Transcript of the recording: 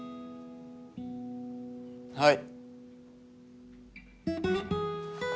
はい。